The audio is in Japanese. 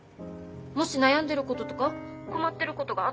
もし悩んでることとか困ってることがあったら。